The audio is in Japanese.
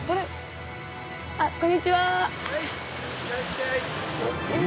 はいいらっしゃい。